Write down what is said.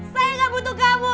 saya gak butuh kamu